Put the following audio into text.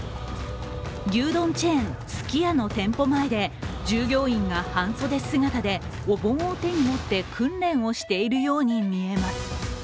牛丼チェーン・すき家の店舗前で従業員が半袖姿でお盆を手に持って訓練をしているように見えます。